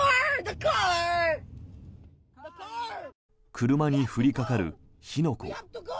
車に降りかかる火の粉。